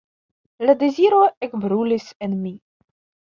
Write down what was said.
La deziro ekbrulis en mi.